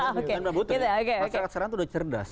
dan mbak butuh masyarakat sekarang itu sudah cerdas